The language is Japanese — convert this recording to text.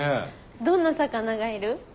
どんな魚がいる？